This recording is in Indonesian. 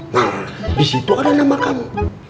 nah disitu ada nama kami